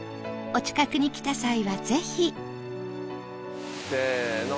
お近くに来た際はぜひせーの！